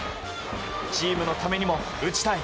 チームのためにも打ちたい。